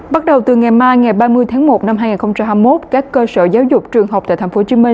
bắt đầu từ ngày mai ngày ba mươi tháng một năm hai nghìn hai mươi một các cơ sở giáo dục trường học tại tp hcm